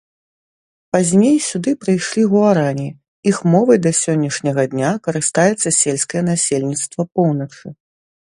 Пазней сюды прыйшлі гуарані, іх мовай да сённяшняга дня карыстаецца сельскае насельніцтва поўначы.